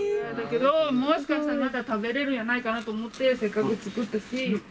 もしかしたらまだ食べれるんやないかなと思ってせっかく作ったし。